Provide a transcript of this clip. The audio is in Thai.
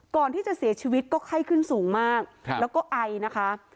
ก่อนที่จะเสียชีวิตก็ไข้ขึ้นสูงมากแล้วก็ไอนะคะ